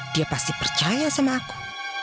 dia pasti percaya sama aku